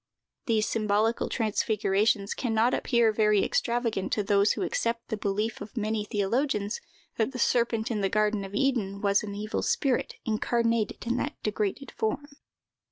These symbolical transfigurations can not appear very extravagant to those who accept the belief of many theologians, that the serpent of the garden of Eden was an evil spirit incarnated in that degraded form.